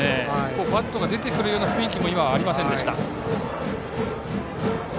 バットが出てくる雰囲気も今はありませんでした。